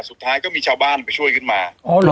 สุดท้ายก็มีชาวบ้านไปช่วยขึ้นมา